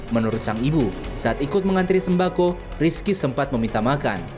menurut sang ibu saat ikut mengantri sembako rizky sempat meminta makan